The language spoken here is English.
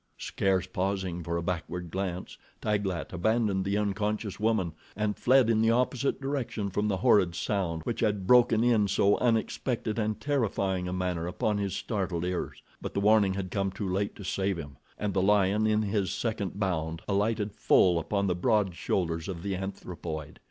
Scarce pausing for a backward glance, Taglat abandoned the unconscious woman and fled in the opposite direction from the horrid sound which had broken in so unexpected and terrifying a manner upon his startled ears; but the warning had come too late to save him, and the lion, in his second bound, alighted full upon the broad shoulders of the anthropoid.